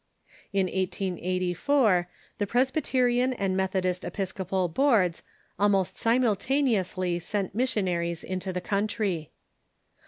In 1884, the Presbyterian and Meth odist Episcopal Boards almost simultaneously sent mission aries into the country.